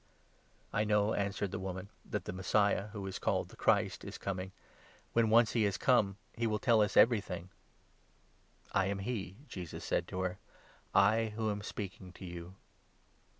"I know," answered the woman, "that the Messiah, who 25 is called the Christ, is coming ; when once he has come, he will tell us everything." " I am he," Jesus said to her, " I who am speaking to you."